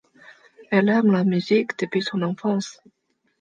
Elle aime la musique depuis son enfance.